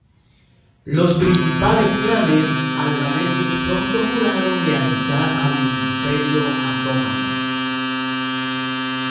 Los principales clanes albaneses pronto juraron lealtad al Imperio otomano.